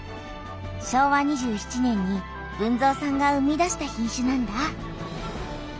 昭和２７年に豊造さんが生み出した品種なんだ。